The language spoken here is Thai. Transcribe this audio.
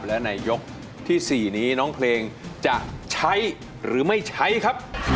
และในยกที่๔นี้น้องเพลงจะใช้หรือไม่ใช้ครับ